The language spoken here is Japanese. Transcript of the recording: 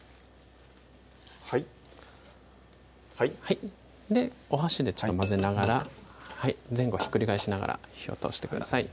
はいはいでお箸でちょっと混ぜながら前後ひっくり返しながら火を通してください